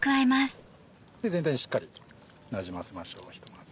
全体にしっかりなじませましょうひとまず。